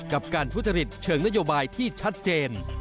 กับการพุทธฤทธิ์เชิงนโยบายที่ชัดเจน